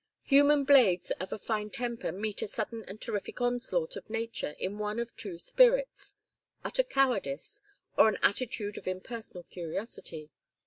Human blades of a fine temper meet a sudden and terrific onslaught of Nature in one of two spirits: utter cowardice, or an attitude of impersonal curiosity.